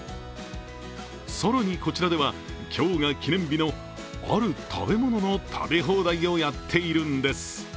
更に、こちらでは、今日が記念日のある食べ物の食べ放題をやっているんです。